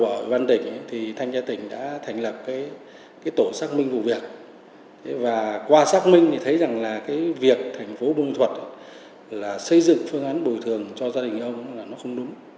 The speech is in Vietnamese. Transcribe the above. ủy ban tỉnh thì thanh gia tỉnh đã thành lập tổ xác minh vụ việc và qua xác minh thì thấy rằng là cái việc thành phố bung thuật là xây dựng phương án bồi thường cho gia đình ông là nó không đúng